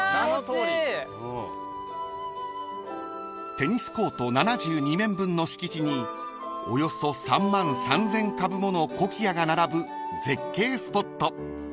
［テニスコート７２面分の敷地におよそ３万３，０００株ものコキアが並ぶ絶景スポット］